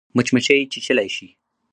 مچمچۍ چیچلای شي